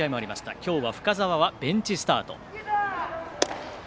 今日は深沢はベンチスタート。